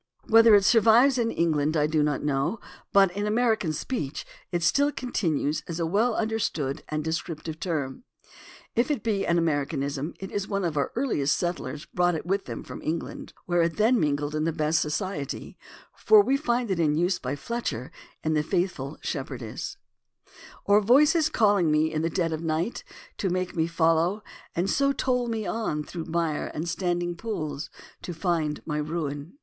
Whether it survives in England I do not know, but in American speech it still continues a well understood and descriptive term. If it be an Americanism it is one our earliest settlers brought with them from England, where it then mingled THE ORIGIN OF CERTAIN AMERICANISMS 263 in the best society, for we find it used by Fletcher in the Faithful Shepherdess (act I, sc. I) : "Or voices calling me in the dead of night, To make me follow, and so tole me on Through mire and standing pools to find my ruin."